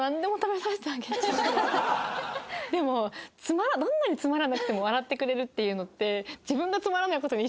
でもどんなにつまらなくても笑ってくれるっていうのって。